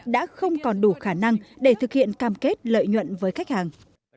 đã không còn đủ khả năng để thực hiện cam kết lợi nhuận với khách hàng